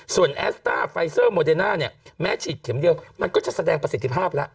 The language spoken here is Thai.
ส่วนแอสต้าไฟเซอร์โมเดน่าเนี่ยแม้ฉีดเข็มเดียวมันก็จะแสดงประสิทธิภาพแล้ว